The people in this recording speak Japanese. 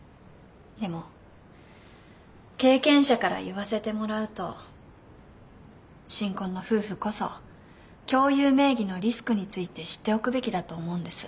でも経験者から言わせてもらうと新婚の夫婦こそ共有名義のリスクについて知っておくべきだと思うんです。